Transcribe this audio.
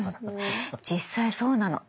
実際そうなの。